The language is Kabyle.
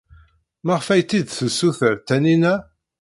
Maɣef ay tt-id-tessuter Taninna?